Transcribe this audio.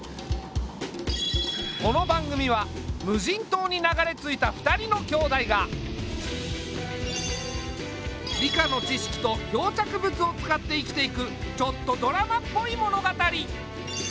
この番組は無人島に流れ着いた２人の兄妹が理科の知識と漂着物を使って生きていくちょっとドラマっぽい物語。